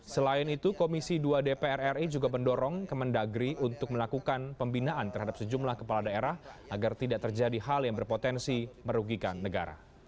selain itu komisi dua dpr ri juga mendorong kemendagri untuk melakukan pembinaan terhadap sejumlah kepala daerah agar tidak terjadi hal yang berpotensi merugikan negara